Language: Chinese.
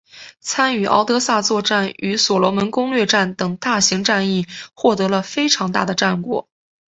参加敖德萨作战与所罗门攻略战等大型战役获得了非常大的战果。